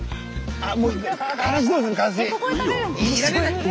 あっ。